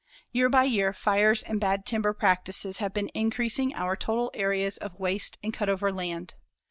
Year by year, fires and bad timber practices have been increasing our total areas of waste and cut over land.